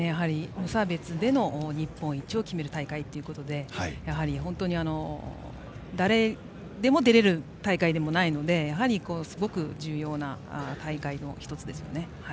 無差別での日本一を決める大会ということで誰でも出れる大会でもないのですごく重要な大会の１つですよね。